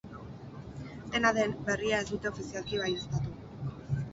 Dena den, berria ez dute ofizialki baieztatu.